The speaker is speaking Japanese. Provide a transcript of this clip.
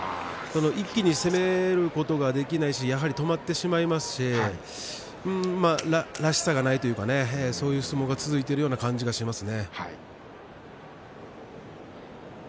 一気に攻めることができないしやはり止まってしまいますし隆の勝らしさがないなというような相撲が続いている感じがします。